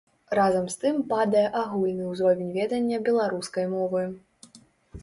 Разам з тым падае агульны ўзровень ведання беларускай мовы.